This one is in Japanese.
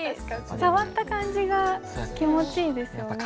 触った感じが気持ちいいですよね。